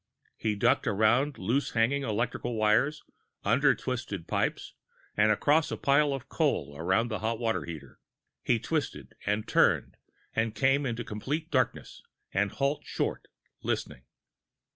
He ducked around loose hanging electric wires, under twisted pipes, and across a pile of coal around a hot water heater. He twisted and turned, to come into complete darkness, and halt short, listening.